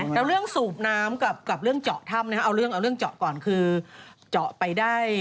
แล้วเรื่องสูบน้ำกับเรื่องเจาะถ้ำนะฮะเอาเรื่องเอาเรื่องเจาะก่อนคือเจาะไปได้